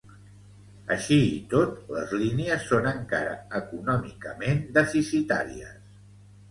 Així i tot, les línies són encara econòmicament deficitàries.